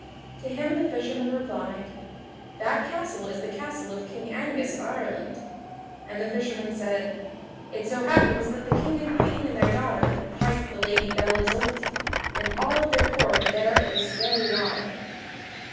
To him the fisherman replied: "That castle is the castle of King Angus of Ireland." And the fisherman said: "It so happens that the King and Queen and their daughter, hight the Lady Belle Isoult, and all of their court are there at this very while."